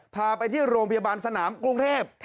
พาไปที่โรงพยาบาลสนามกรุงเทพ